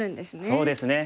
そうですね